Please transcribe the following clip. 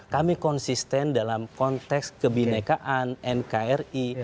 kami konsisten dalam konteks kebinekaan nkri